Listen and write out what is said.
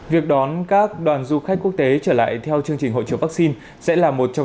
việc đón các đoàn du khách quốc tế trở lại theo chương trình hỗ trợ vắc xin sẽ là một trong